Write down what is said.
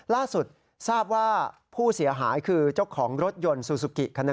ล่าสุดทราบว่าผู้เสียหายคือเจ้าของรถยนต์ซูซูกิคันหนึ่ง